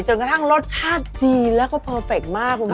จนกระทั่งรสชาติดีและก็เพอร์เฟ็คมาก